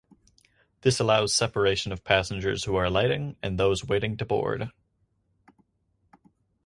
This allows separation of passengers who are alighting and those waiting to board.